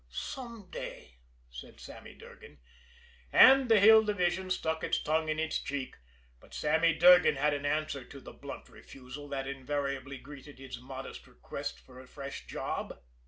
"Some day," said Sammy Durgan and the Hill Division stuck its tongue in its cheek. But Sammy Durgan had his answer to the blunt refusal that invariably greeted his modest request for a fresh job.